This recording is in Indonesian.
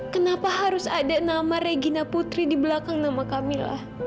kenapa harus ada nama regina putri di belakang nama kami lah